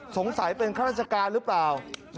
สงสัยเป็นข้าราชการหรือเปล่า